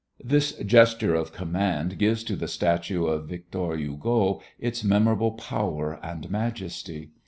This gesture of command gives to the statue of Victor Hugo its memorable power and majesty.